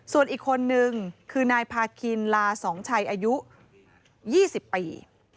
ส่วนอีกคนนึงคือนายพาคินลาสองชัยอายุ๒๐ปี